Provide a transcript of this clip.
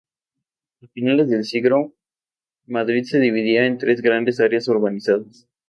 A finales de siglo Madrid se dividía en tres grandes áreas urbanizadas.